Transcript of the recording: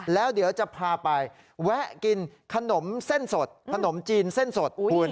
แล้วเดี๋ยวจะพาไปแวะกินขนมเส้นสดขนมจีนเส้นสดคุณ